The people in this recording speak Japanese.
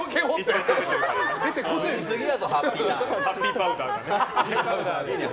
ハッピーパウダーがね。